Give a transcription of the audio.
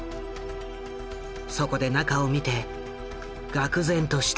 そこで中を見て愕然とした。